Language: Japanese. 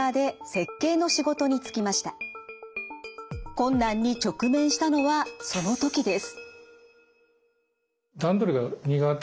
困難に直面したのはその時です。